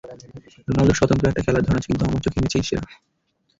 রোনালদোর স্বতন্ত্র একটা খেলার ধরন আছে, কিন্তু আমার চোখে মেসিই সেরা।